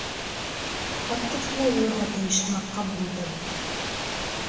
Хатта шулай булырға тейеш һымаҡ ҡабул итәбеҙ.